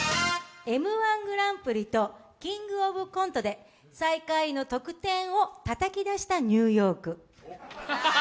「Ｍ−１グランプリ」と「キングオブコント」で最下位の得点をたたきだしたニューヨーク。